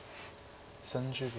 ３０秒。